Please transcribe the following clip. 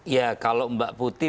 ya kalau mbak putih